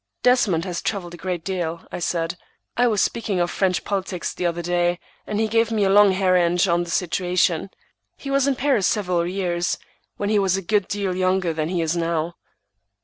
"Desmond has travelled a great deal," I said. "I was speaking of French politics the other day, and he gave me a long harangue on the situation. He was in Paris several years, when he was a good deal younger than he is now."